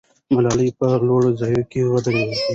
ملالۍ په لوړ ځای کې ودرېږي.